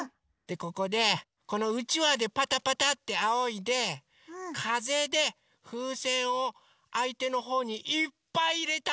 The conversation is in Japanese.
ここでこのうちわでパタパタってあおいでかぜでふうせんをあいてのほうにいっぱいいれたほうがかちです！